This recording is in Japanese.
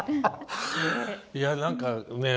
いや何かね